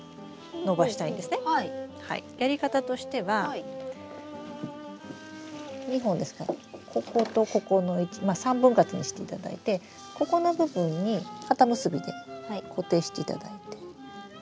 やり方としては２本ですからこことここのまあ３分割にしていただいてここの部分にかた結びで固定していただいて。